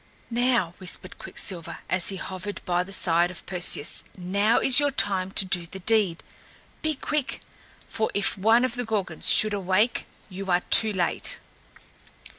"Now," whispered Quicksilver as he hovered by the side of Perseus "now is your time to do the deed! Be quick, for if one of the Gorgons should awake, you are too late!"